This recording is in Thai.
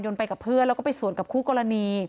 ไปกับเพื่อนแล้วก็ไปสวนกับคู่กรณี